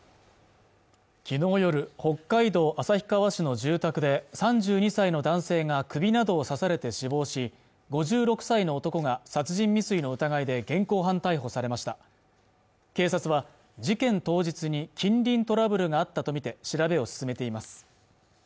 昨日夜北海道旭川市の住宅で３２歳の男性が首などを刺されて死亡し５６歳の男が殺人未遂の疑いで現行犯逮捕されました警察は事件当日に近隣トラブルがあったとみて調べを進めています